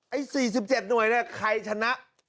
ไอ้๔๗หน่วยเนี่ยใครชนะ